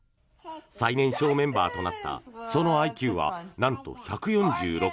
最年少メンバーとなったそのＩＱはなんと、１４６。